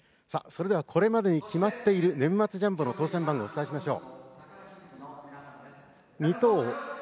これまでに決まっている年末ジャンボの当せん番号をお伝えしましょう。